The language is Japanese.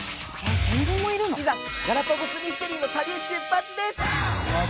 いざガラパゴスミステリーの旅へ出発です！